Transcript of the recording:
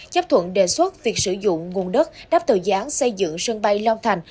chấp thuận đề xuất việc sử dụng nguồn đất đáp từ dự án xây dựng sân bay long thành